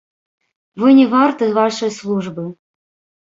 Вы не варты вашай службы.